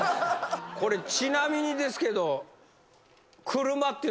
これちなみにですけど。